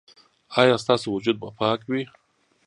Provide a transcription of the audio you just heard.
ایا ستاسو وجود به پاک وي؟